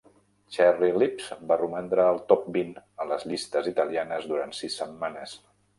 "Cherry Lips" va romandre al top vint a les llistes italianes durant sis setmanes.